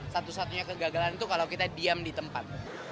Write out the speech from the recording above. satu satunya kegagalan itu kalau kita diam di tempat